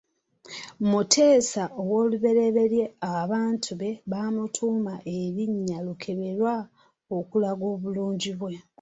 Muteesa I abantu be bamutuuma erinnya Lukeberwa okulaga obulungi bwe.